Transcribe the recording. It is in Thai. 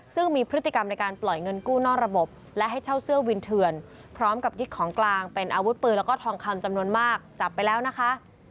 ซึ่งมีพฤติกรรมในการปล่อยเงินกู้นอกระบบและให้เช่าเสื้อวินเถื่อนพร้อมกับยึดของกลางเป็นอาวุธปืนแล้วก็ทองคำจำนวนมากจับไปแล้วนะคะ